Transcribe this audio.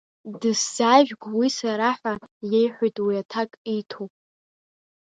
Дысзаажәг уи Сара ҳәа иеиҳәоит уи аҭак иҭо.